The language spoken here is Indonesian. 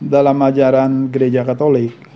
dalam ajaran gereja katolik